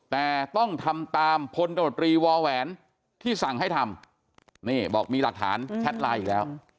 แต่ต้องทำตามพลตมตรีวอแหวนที่สั่งให้ทำนี่บอกมีหลักฐานแชทไลน์อีกแล้ว